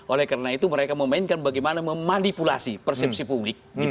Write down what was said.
oleh karena itu mereka memainkan bagaimana memanipulasi persepsi publik